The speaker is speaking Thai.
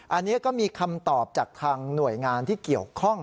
อันนี้ก็มีคำตอบจากทางหน่วยงานที่เกี่ยวข้อง